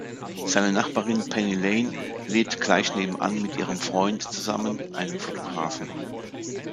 Seine Nachbarin Penny Lane lebt gleich nebenan mit ihrem Freund zusammen, einem Fotografen.